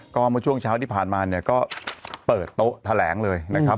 ก็เมื่อช่วงเช้าที่ผ่านมาเนี่ยก็เปิดโต๊ะแถลงเลยนะครับ